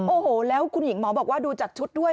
โอ้โหแล้วคุณหญิงหมอบอกว่าดูจากชุดด้วย